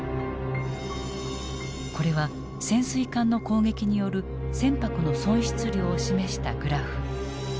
これは潜水艦の攻撃による船舶の損失量を示したグラフ。